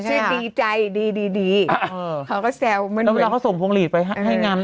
ชื่อดีใจดีดีดีเขาก็แซวแล้วเวลาเขาส่งพรุงหลีไปให้งั้น